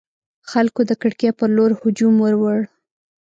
خلکو د کړکۍ پر لور هجوم وروړ.